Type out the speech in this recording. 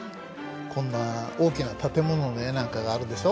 こんな大きな建物の絵なんかがあるでしょ？